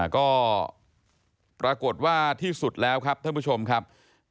ก็ปรากฏว่าที่สุดแล้วครับท่านผู้ชมครับ